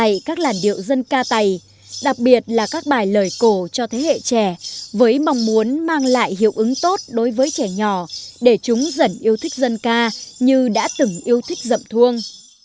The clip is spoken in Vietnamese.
bà luật cũng dạy các làn điệu dân ca tày đặc biệt là các bài lời cổ cho thế hệ trẻ với mong muốn mang lại hiệu ứng tốt đối với trẻ nhỏ để chúng dẫn yêu thích dân ca như đã từng yêu thích rậm thuông